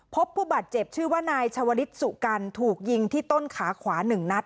พบผู้บาดเจ็บชื่อว่านายชาวลิศสุกันถูกยิงที่ต้นขาขวา๑นัด